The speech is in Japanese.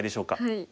はい。